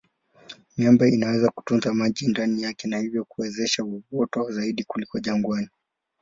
Miamba inaweza kutunza maji ndani yake na hivyo kuwezesha uoto zaidi kuliko jangwani.